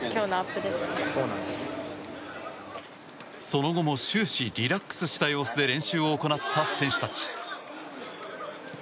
その後も終始リラックスした様子で練習を行った選手たち。